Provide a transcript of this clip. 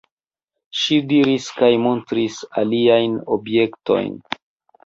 Ŝi ridis kaj montris aliajn objektojn.